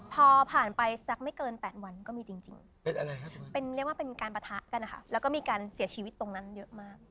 พอผ่านไปสักไม่เกิน๘วันก็มีจริงเรียกว่าเป็นการปะทะกันนะคะแล้วก็มีการเสียชีวิตตรงนั้นเยอะมาก